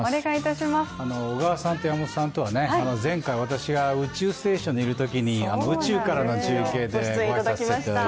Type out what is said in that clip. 小川さんと山本さんとは前回私が宇宙ステーションにいるときに宇宙からの中継でご挨拶させていただいて。